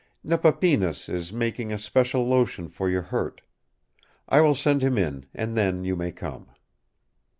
"Nepapinas is making a special lotion for your hurt. I will send him in, and then you may come."